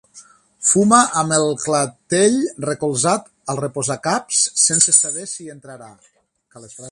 Fuma amb el clatell recolzat al reposacaps, sense saber si hi entrarà.